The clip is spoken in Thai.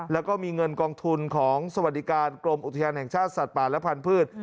แล้วก็มีเงินกองทุนของสวัสดิการกรมอุทยานแห่งชาติสัตว์ป่าและพันธุ์